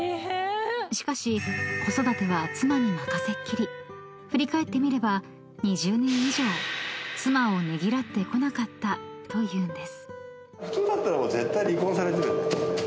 ［しかし］［振り返ってみれば２０年以上妻をねぎらってこなかったというんです］